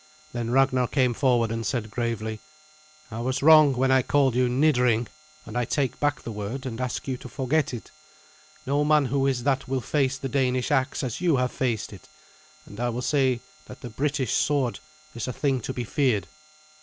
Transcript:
Then Ragnar came forward and said gravely, "I was wrong when I called you 'nidring,' and I take back the word and ask you to forget it. No man who is that will face the Danish axe as you have faced it, and I will say that the British sword is a thing to be feared."